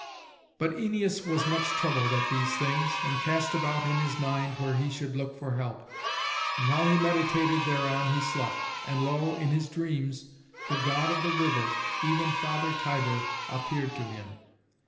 But Æneas was much troubled at these things, and cast about in his mind where he should look for help. And while he meditated thereon he slept. And lo! in his dreams the god of the river, even Father Tiber, appeared to him.